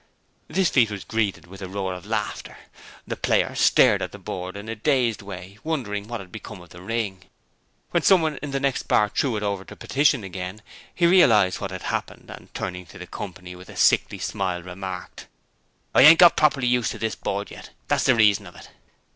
This feat was greeted with a roar of laughter. The player stared at the board in a dazed way, wondering what had become of the ring. When someone in the next bar threw it over the partition again, he realized what had happened and, turning to the company with a sickly smile, remarked: 'I ain't got properly used to this board yet: that's the reason of it.'